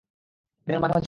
দিনের মাঝামাঝি সময়ে।